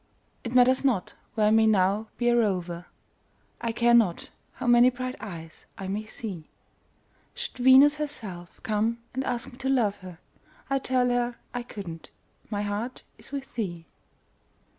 It matters not where I may now be a rover, I care not how many bright eyes I may see; Should Venus herself come and ask me to love her, I'd tell her I couldn't my heart is with thee.